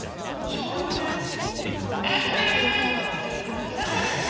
まさかここ？